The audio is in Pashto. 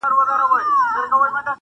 ګناه بل وکړي کسات یې له ما خېژي،